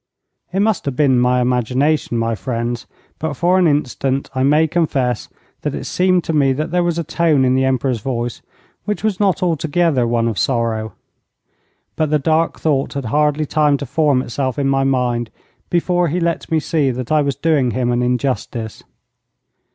It must have been imagination, my friends, but for an instant I may confess that it seemed to me that there was a tone in the Emperor's voice which was not altogether one of sorrow. But the dark thought had hardly time to form itself in my mind before he let me see that I was doing him an injustice.